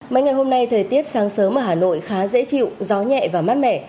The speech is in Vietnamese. mấy ngày hôm nay thời tiết sáng sớm ở hà nội khá dễ chịu gió nhẹ và mát mẻ